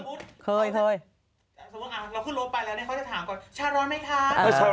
ชาร้อนไหมคะ